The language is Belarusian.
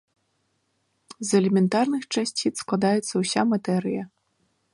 З элементарных часціц складаецца ўся матэрыя.